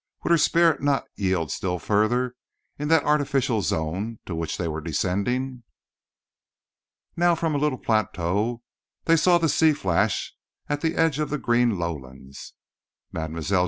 Would her spirit not yield still further in that artificial zone to which they were descending? Now from a little plateau they saw the sea flash at the edge of the green lowlands. Mile.